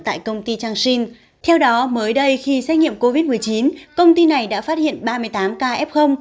tại công ty chang shin theo đó mới đây khi xét nghiệm covid một mươi chín công ty này đã phát hiện ba mươi tám ca f